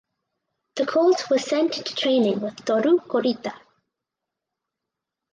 The colt was sent into training with Toru Kurita.